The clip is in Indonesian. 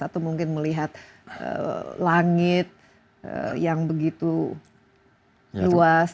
atau mungkin melihat langit yang begitu luas